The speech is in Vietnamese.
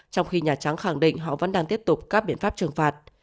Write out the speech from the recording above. trong khi nhà trắng khẳng định họ vẫn đang tiếp tục các biện pháp trừng phạt